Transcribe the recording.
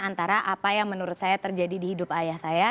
antara apa yang menurut saya terjadi di hidup ayah saya